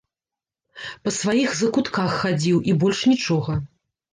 Па сваіх закутках хадзіў, і больш нічога.